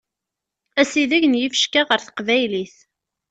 Asideg n yifecka ɣer teqbaylit.